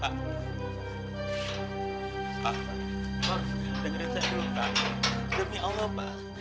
pak pak lo dengerin saya dulu pak demi allah pak